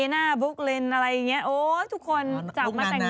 แนลุสาว